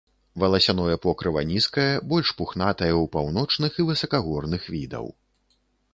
Валасяное покрыва нізкае, больш пухнатае ў паўночных і высакагорных відаў.